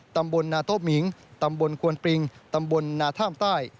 ตำบลนาโต๊มิงตำบลควนปริงตำบลนาท่ามใต้